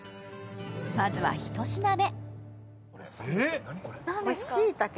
まずは１品目。